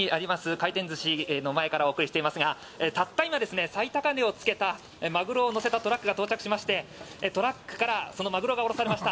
回転寿司の前からお送りしていますがたった今、最高値をつけたマグロを載せたトラックが到着しましてトラックからそのマグロが下ろされました。